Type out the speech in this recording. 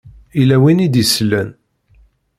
Yella win i d-isellen.